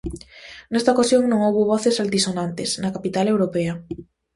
Nesta ocasión non houbo voces altisonantes na capital europea.